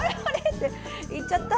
っていっちゃった。